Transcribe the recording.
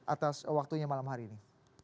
atas waktunya malam hari ini